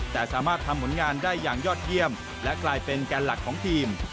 แต่สามารถทำผลงานได้อย่างยอดเยี่ยมและกลายเป็นแกนหลักของทีม